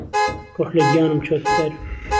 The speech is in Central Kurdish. ڕووح له گیانم چۆته دەر